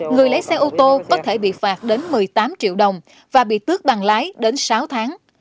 người lấy xe ô tô có thể bị phạt đến một mươi tám triệu đồng và bị tước bằng lái đến sáu tháng